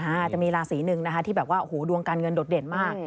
ฮะจะมีราศีหนึ่งที่ดวงการเงินโดดเด่นมาก